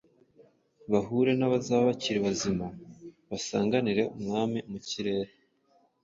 bahure n’abazaba bakiri bazima basanganire Umwami mu kirere.